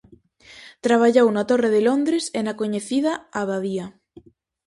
Traballou na Torre de Londres e na coñecida Abadía.